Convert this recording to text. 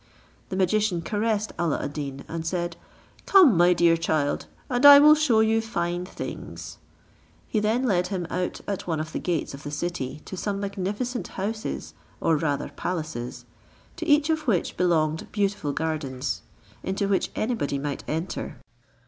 The magician caressed Alla ad Deen, and said, "Come, my dear child, and I will shew you fine things." He then led him out at one of the gates of the city, to some magnificent houses, or rather palaces, to each of which belonged beautiful gardens, into which anybody might enter.